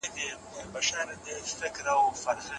دا د یوه پیاوړي او نېک انسان تر ټولو غوره صفت دی.